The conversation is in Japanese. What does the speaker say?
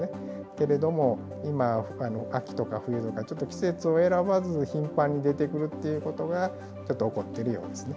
けれども、今、秋とか冬とか、ちょっと季節を選ばず頻繁に出てくるっていうことが、ちょっと起こってるようですね。